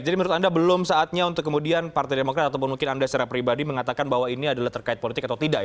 jadi menurut anda belum saatnya untuk kemudian partai demokrat atau mungkin anda secara pribadi mengatakan bahwa ini terkait politik atau tidak